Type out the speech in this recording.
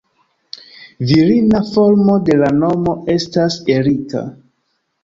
Virina formo de la nomo estas Erika.